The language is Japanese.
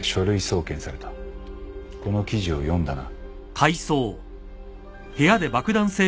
この記事を読んだな。